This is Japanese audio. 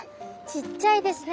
ちっちゃいですね。